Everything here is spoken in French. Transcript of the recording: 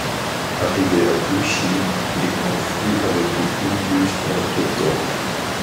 Arrivé à Duchi, il conflue avec le Kunduz en rive droite.